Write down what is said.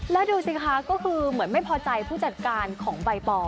แล้วดูสิคะก็คือเหมือนไม่พอใจผู้จัดการของใบปอ